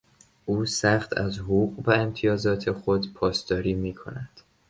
او سخت از حقوق و امتیازات خود پاسداری میکند.